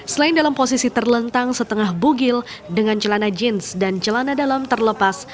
selain dalam posisi terlentang setengah bugil dengan celana jeans dan celana dalam terlepas